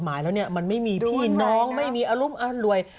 เพราะเป็นกฎหมายแล้วมันไม่มีพี่น้องไม่มีอรุมอร่วย